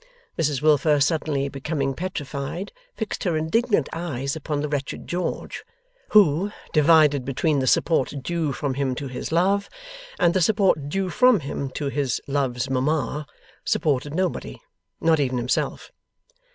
Mrs Wilfer suddenly becoming petrified, fixed her indignant eyes upon the wretched George: who, divided between the support due from him to his love, and the support due from him to his love's mamma, supported nobody, not even himself.